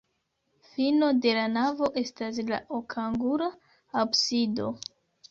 Fino de la navo estas la okangula absido.